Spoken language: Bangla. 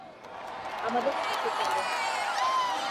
আমাদের সাথে চলো!